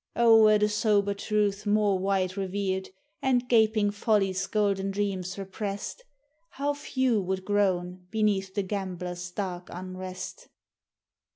O were the sober truth more wide revered, And gaping folly's golden dreams repressed, How few would groan beneath the gambler's dark unrest.